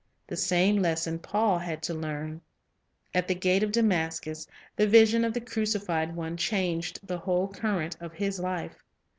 The same lesson Paul had to learn. At the gate of Damascus the vision of the Crucified One changed the whole current of his life.